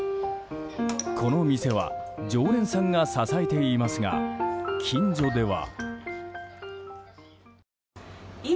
この店は常連さんが支えていますが近所では。